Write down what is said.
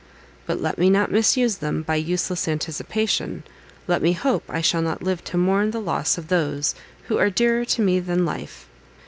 But let me not misuse them by useless anticipation; let me hope I shall not live to mourn the loss of those who are dearer to me than life."